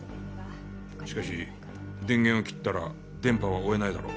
しかし電源を切ったら電波は追えないだろう。